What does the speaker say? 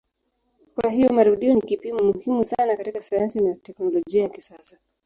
Kwa hiyo marudio ni kipimo muhimu sana katika sayansi na teknolojia ya kisasa.